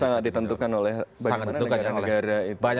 sangat ditentukan oleh bagaimana negara negara itu